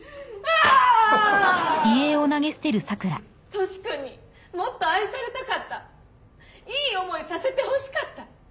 トシ君にもっと愛されたかったいい思いさせてほしかった。